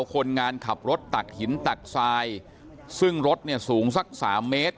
คนงานขับรถตักหินตักทรายซึ่งรถเนี่ยสูงสักสามเมตร